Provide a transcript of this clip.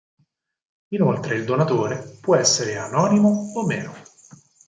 Inoltre il donatore può essere anonimo o meno.